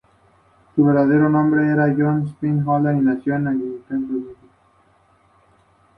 Su verdadero nombre era John Stephens Oldham, y nació en Accrington, Inglaterra.